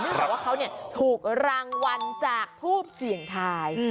เนื่องจากเขาถูกรางวัลจากทูปเสียงไทย